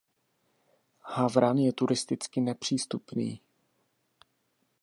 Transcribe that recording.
Havran je turisticky nepřístupný.